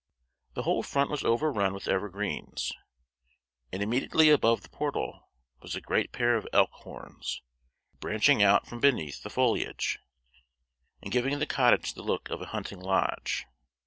The whole front was overrun with evergreens, and immediately above the portal was a great pair of elk horns, branching out from beneath the foliage, and giving the cottage the look of a hunting lodge.